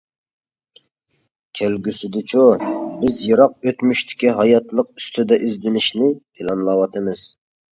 كەلگۈسىدىچۇ؟ بىز يىراق ئۆتمۈشتىكى ھاياتلىق ئۈستىدە ئىزدىنىشنى پىلانلاۋاتىمىز.